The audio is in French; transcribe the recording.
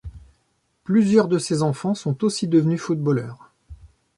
Plusieurs de ses enfants sont aussi devenu footballeurs.